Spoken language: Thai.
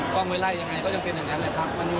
กว้างเวลายังไงก็ยังเป็นอย่างนั้นเลยครับ